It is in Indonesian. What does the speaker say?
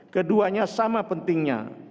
keduanya sama pentingnya